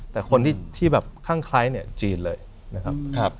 แต่คนที่แบบข้างคล้ายเนี่ยจีนเลยนะครับ